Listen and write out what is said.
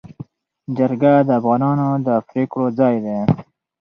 جرګه د افغانانو د پرېکړو ځای دی.